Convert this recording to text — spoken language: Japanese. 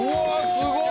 すごい！